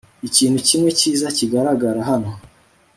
Ikintu kimwe cyiza kigaragara hano